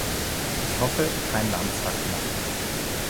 Ich hoffe, kein Land sagt Nein.